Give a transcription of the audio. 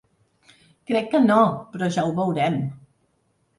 Crec que no, però ja ho veurem.